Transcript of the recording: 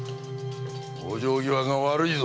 往生際が悪いぞ！